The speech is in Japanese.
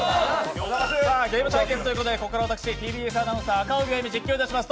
ゲーム対決ということで、ここから私、ＴＢＳアナウンサー、赤荻歩が実況いたします。